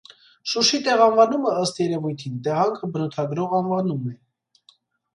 Շուշի տեղանվանումը, ըստ երևույթին, տեղանքը բնութագրող անվանում է։